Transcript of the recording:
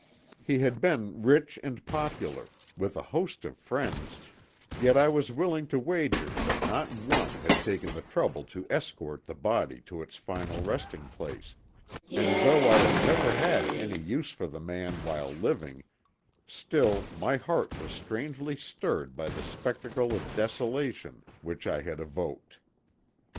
He had been rich and popular, with a host of friends, yet I was willing to wager that not one had taken the trouble to escort the body to its final resting place, and though I had never had any use for the man while living, still my heart was strangely stirred by the spectacle of desolation which I had evoked.